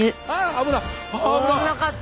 危なかったよ。